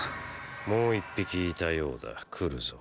もう一匹いたようだ来るぞ。